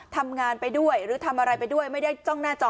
ทำงานไปด้วยหรือทำอะไรไปด้วยไม่ได้จ้องหน้าจอ